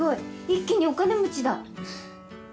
一気にお金持ちだ。